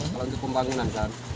kalau untuk pembangunan kan